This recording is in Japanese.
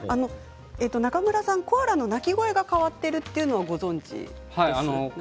中村さん、コアラの鳴き声が変わっているというのはご存じですか？